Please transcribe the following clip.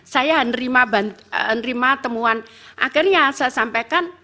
saya menerima temuan akhirnya saya sampaikan